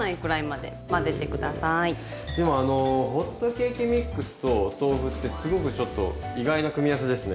でもホットケーキミックスとお豆腐ってすごくちょっと意外な組み合わせですね。